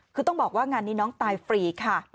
คือต้องบอกว่างานนี้น้องตายฟรีค่ะ